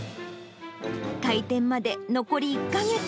開店まで残り１か月。